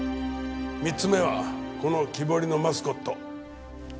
３つ目はこの木彫りのマスコット。